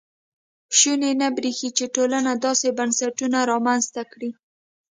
شونې نه برېښي چې ټولنه داسې بنسټونه رامنځته کړي.